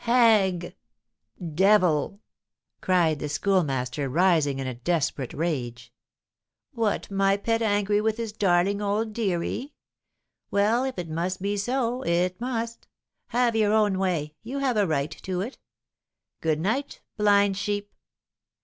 "Hag! devil!" cried the Schoolmaster, rising in a desperate rage. "What, my pet angry with his darling old deary? Well, if it must be so, it must. Have your own way; you have a right to it. Good night, blind sheep!"